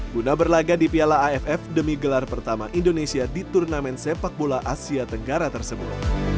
guna berlaga di piala aff demi gelar pertama indonesia di turnamen sepak bola asia tenggara tersebut